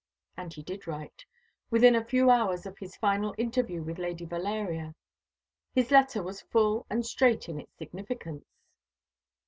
And he did write, within a few hours of his final interview with Lady Valeria. His letter was full and straight in its significance.